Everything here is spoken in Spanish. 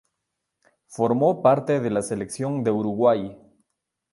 Formó parte de la Selección de Uruguay.